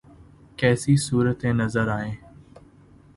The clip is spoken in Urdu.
کیسی صورتیں نظر آئیں؟